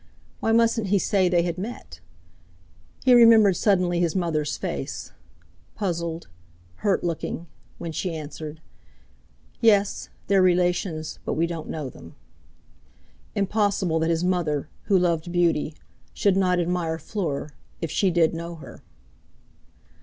Why mustn't he say they had met? He remembered suddenly his mother's face; puzzled, hurt looking, when she answered: "Yes, they're relations, but we don't know them." Impossible that his mother, who loved beauty, should not admire Fleur if she did know her.